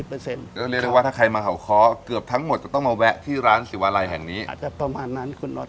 ก็เรียกได้ว่าถ้าใครมาเห่าเคาะเกือบทั้งหมดจะต้องมาแวะที่ร้านศิวาลัยแห่งนี้อาจจะประมาณนั้นคุณน็อต